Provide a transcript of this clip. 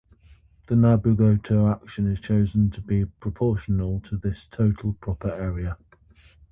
The Nambu-Goto action is chosen to be proportional to this total proper area.